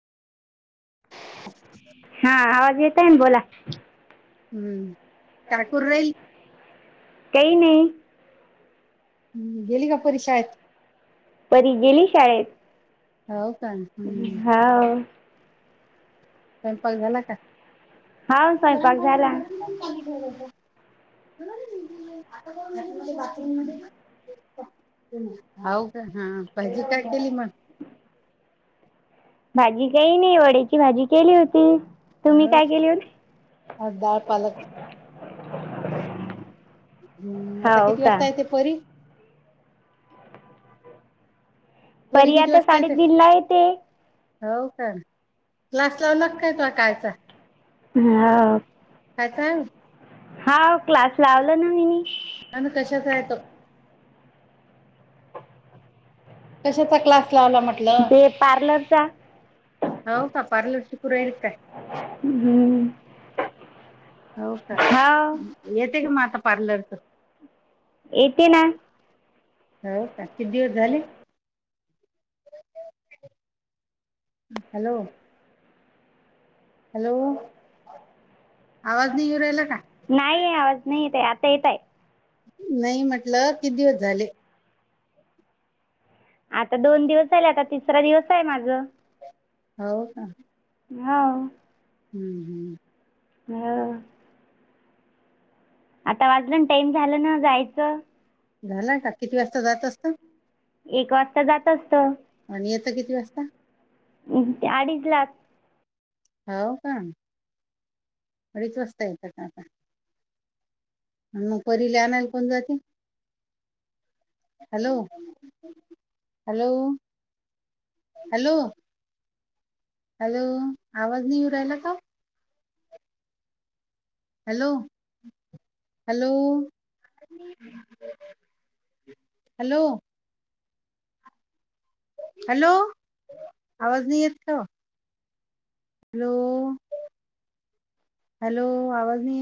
[inaudible] हा आवाज येतय ना बोला. हम्म‌. काय करू राहिली? काही नाही हम्म. गेली का परी शाळेत? परी गेली शाळेत, हो का हम्म हांव. स्वयंपाक झाला का? हाव स्वयंपाक झाला बाथरूम मध्ये, हाऊ का हा, भाजी काय केली मग. भाजी काही नाही, वड्याची भाजी केली होती. तुम्ही काय केली होती आज डाळ पालक. हम्म.. आता हो किती का वाजता येते परी. परी किती आता वाजता येते साडेतीनला येते. हो का, क्लास लावलात काय तो कालचा. [unintelligible] काय सांग. हांव क्लास लावला ना मी नी. आणि कशाचा आहे तो. कशाचा क्लास लावला म्हटलं. ते पार्लरचा हो का, पार्लर शिकू राहिली कां. हम्म.. हो का, येते का मग आता पार्लरच. येते ना. हो का, किती दिवस झाले. Hello, hello. आवाज नाही येऊ राहिला का नाही आवाज नाही येत, आहे आता येताय. नाही म्हटलं, किती दिवस झाले. आता दोन दिवस झाले, आता तिसरा दिवस आहे माझं. हो कां. होव हम्म हम्म. हा. आता वाजलं ना, टाइम झालं ना जायचं. झाला का, किती वाजता जातं असतं? एक वाजता जात असतं. आणि येतं किती वाजता? अडीच लाख हाव का? अडीच वाजता येत का आता? मग परीला आणायले कोण जाते, हॅलो.. हॅलो हॅलो. हॅलो, आवाज नाही येऊ राहिला का.. हॅलो हॅलो. हॅलो. हॅलो आवाज नाही येत कवा. हॅलो. हॅलो आवाज नाही येत.